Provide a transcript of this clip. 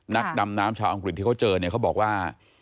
นักดำน้ำชาวอังกฤษที่เขาเจอเนี่ยเขาบอกว่า